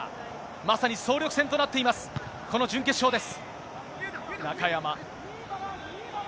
まさに総力戦となっています、この準決勝です。